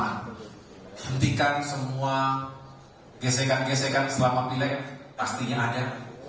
menghentikan semua gesekan gesekan selama pileg pastinya ada